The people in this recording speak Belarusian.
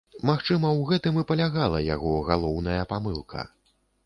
Магчыма, у гэтым і палягала яго галоўная памылка.